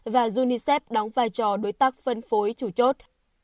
và unicef đóng vai trò đối tác phân phối chủ chốt